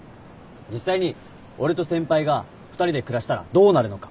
実際に俺と先輩が２人で暮らしたらどうなるのか。